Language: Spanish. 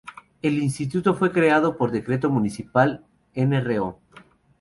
El Instituto fue creado por decreto Municipal Nro.